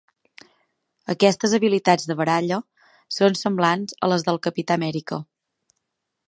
Aquestes habilitats de baralla, són semblants a les del Capità Amèrica.